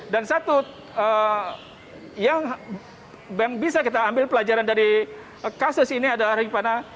satu yang bisa kita ambil pelajaran dari kasus ini adalah rifana